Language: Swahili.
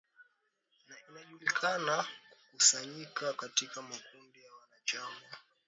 na inajulikana kukusanyika katika makundi ya wanachama